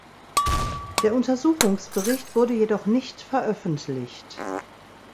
Der Untersuchungsbericht wurde jedoch nicht veröffentlicht.